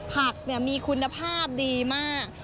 ผักมีคุณภาพดีมาก